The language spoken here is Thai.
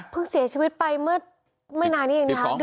เสียชีวิตไปเมื่อไม่นานนี้เองนะคะ